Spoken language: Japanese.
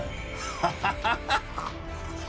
ハハハハハ！